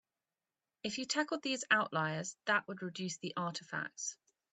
If you tackled these outliers that would reduce the artifacts.